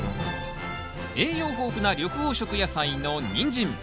栄養豊富な緑黄色野菜のニンジン。